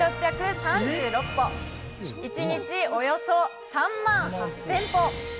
１日およそ３万８０００歩。